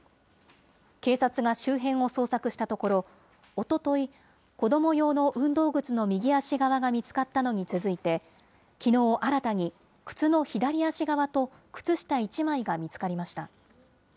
警察が周辺を捜索したところ、おととい、子ども用の運動靴の右足側が見つかったのに続いて、きのう新たに、靴の左足側と靴下１枚が見つかりました。